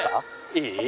いい？